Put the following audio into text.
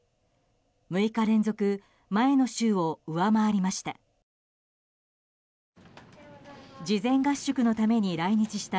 ６日連続前の週を上回りました。